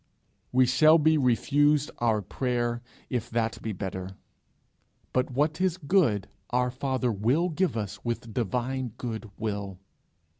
We shall be refused our prayer if that be better; but what is good our Father will give us with divine good will.